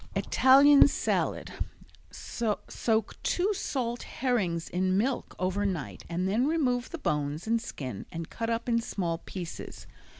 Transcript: Italian Salad Soak two salt herrings in milk over night and then remove the bones and skin and cut up in small pieces.